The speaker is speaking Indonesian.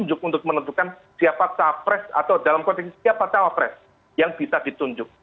untuk menentukan siapa capres atau dalam konteks siapa cawapres yang bisa ditunjuk